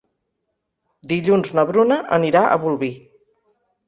Dilluns na Bruna anirà a Bolvir.